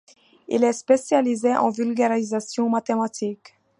Il est spécialisé en vulgarisation mathématique.